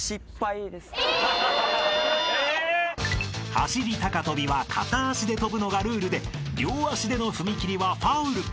［走り高跳びは片足で跳ぶのがルールで両足での踏み切りはファウル］